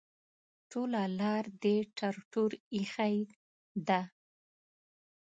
ټوله لار دې ټر ټور ایښی ده.